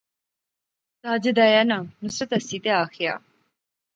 ساجد آیا ناں، نصرت ہنسی جے آخیا